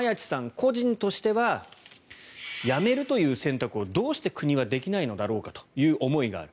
個人としてはやめるという選択をどうして国はできないのだろうかという思いがある。